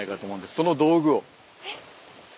その道具を。